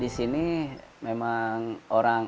di sini memang orang